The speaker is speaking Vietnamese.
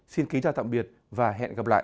xin kính chào tạm biệt và hẹn gặp lại